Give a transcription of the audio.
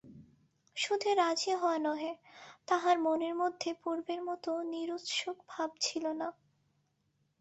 শুধু রাজি হওয়া নহে, তাহার মনের মধ্যে পূর্বের মতো নিরুৎসুক ভাব ছিল না।